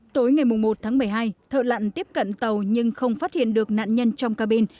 tối ngày một tháng một mươi hai thợ lặn tiếp cận tàu nhưng không phát hiện được nạn nhân trong cabin